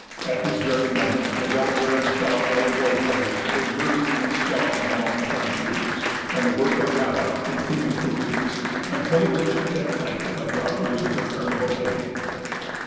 At this very moment, the Delaware and Shawanoe war parties were murdering and scalping along the frontiers; and the work of havoc continued for weeks, until it was checked at length by the operations of Colonel Bouquet.